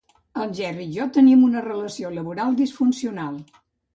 El Jerry i jo no tenim una relació laboral disfuncional.